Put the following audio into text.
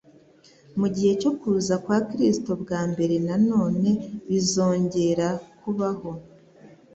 mu gihe cyo kuza kwa Kristo bwa mbere na none bizongera kubaho,